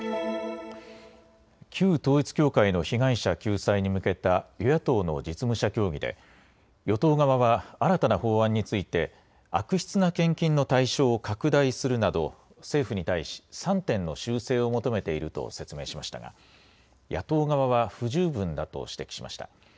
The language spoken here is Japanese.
旧統一教会の被害者救済に向けた与野党の実務者協議で与党側は新たな法案について悪質な献金の対象を拡大するなど政府に対し３点の修正を求めていると説明しましたが野党側は不十分だと指摘しました。